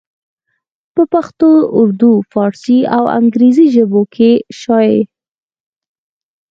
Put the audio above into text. پۀ پښتو اردو، فارسي او انګريزي ژبو کښې شايع